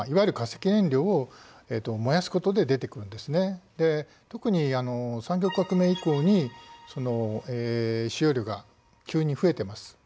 実は特に産業革命以降に使用量が急に増えてます。